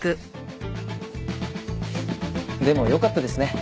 でもよかったですね。